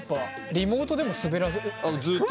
リモートでもスベらせる。